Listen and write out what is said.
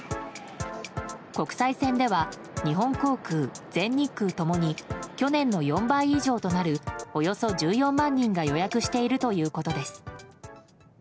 国際線では日本航空、全日空共に去年の４倍以上となるおよそ１４万人が予約しているということです。